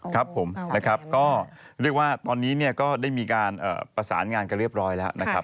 ครับผมเรียกว่าตอนนี้ก็ได้มีการประสานงานก็เรียบร้อยแล้ว